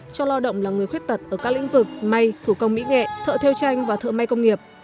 cho lo động là người khuyết tật ở các lĩnh vực may thủ công mỹ nghệ thợ theo tranh và thợ may công nghiệp